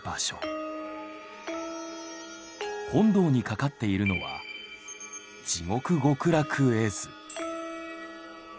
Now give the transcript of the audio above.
本堂に掛かっているのは「地獄極楽絵図」。